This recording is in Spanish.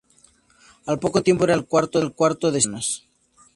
Al poco tiempo, era el cuarto de cinco hermanos.